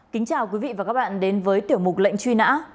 kính chào quý vị và các bạn đến với tiểu mục lệnh truy nã